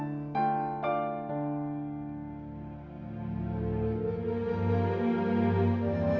iya aku lagi banyak kerjahistori di sana